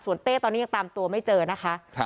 เต้ตอนนี้ยังตามตัวไม่เจอนะคะ